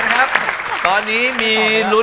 สถานีรถไฟไทย